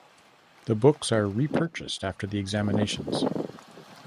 The books are repurchased after the examinations.